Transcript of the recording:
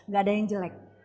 gak ada yang jelek